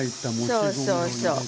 そうそうそう。